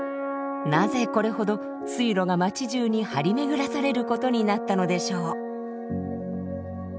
なぜこれほど水路が街じゅうに張り巡らされることになったのでしょう。